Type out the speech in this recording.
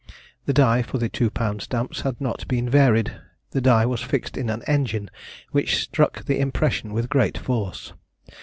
The die for the two pound stamps had not been varied; the die was fixed in an engine, which struck the impression with great force.